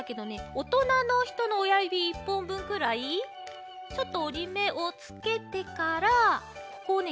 おとなのひとのおやゆび１ぽんぶんくらいちょっとおりめをつけてからここをね